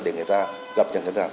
để người ta gặp nhau